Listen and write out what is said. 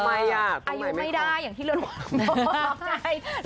อายุไม่ได้อย่างที่เราหวังนะ